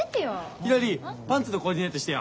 ひらりパンツのコーディネートしてよ。